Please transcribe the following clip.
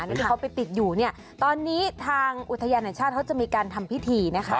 ที่เขาไปติดอยู่เนี่ยตอนนี้ทางอุทยานแห่งชาติเขาจะมีการทำพิธีนะคะ